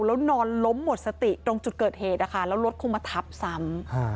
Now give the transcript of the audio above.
แล้วนอนล้มหมดสติตรงจุดเกิดเหตุนะคะแล้วรถคงมาทับซ้ำ